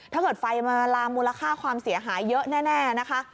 ถ้าเกิดไฟมาลามมูลค่าความเสียหายเยอะแน่นะคะ